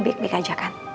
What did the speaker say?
baik baik aja kan